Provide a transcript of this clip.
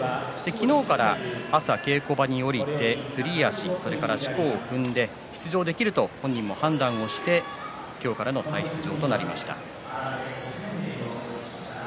昨日から朝稽古場に下りてすり足、しこを踏んで出場できると本人も判断して今日からの再出場となりました。